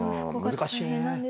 難しいね。